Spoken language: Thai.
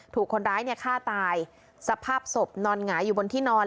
ถูกคนร้ายเนี่ยฆ่าตายสภาพศพนอนหงายอยู่บนที่นอน